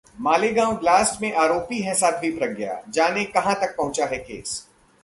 Malegaon blast में आरोपी हैं साध्वी प्रज्ञा, जानें कहां तक पहुंचा है केस